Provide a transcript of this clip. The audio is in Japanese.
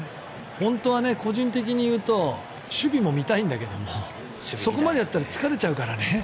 本当は個人的に言うと守備も見たいんだけれどもそこまでやったら疲れちゃうからね。